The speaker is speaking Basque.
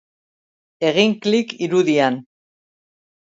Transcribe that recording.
Egin klik irudian.